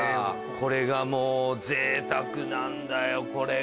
これがもうぜいたくなんだよこれが。